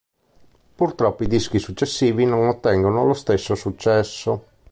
Purtroppo i dischi successivi non ottengono lo stesso successo.